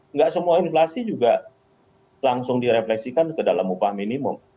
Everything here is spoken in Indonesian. nggak semua inflasi juga langsung direfleksikan ke dalam upah minimum